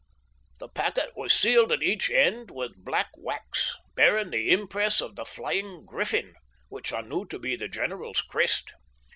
The packet was sealed at each end with black wax, bearing the impress of the flying griffin, which I knew to be the general's crest.